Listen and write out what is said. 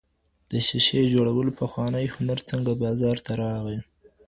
د شیشې جوړولو پخوانی هنر څنګه بازار ته راغی؟